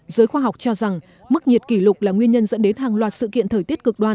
giới khoa học cho rằng mức nhiệt kỷ lục là nguyên nhân dẫn đến hàng loạt sự kiện thời kỳ tiền công nghiệp